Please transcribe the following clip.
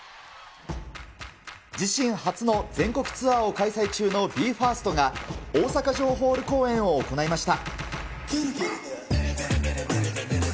自身初の全国ツアーを開催中のＢＥ：ＦＩＲＳＴが、大阪城ホール公演を行いました。